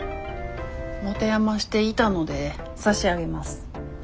持て余していたので差し上げます。